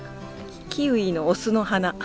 キウイのオスの花。